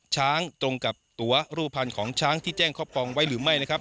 ตรงกับตัวรูปภัณฑ์ของช้างที่แจ้งครอบครองไว้หรือไม่นะครับ